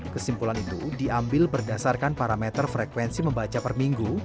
kesimpulan itu diambil berdasarkan parameter frekuensi membaca per minggu